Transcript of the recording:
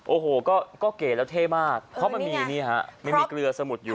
โอ้โหก็เก๋แล้วเท่มากเพราะมันมีนี่ฮะมันมีเกลือสมุดอยู่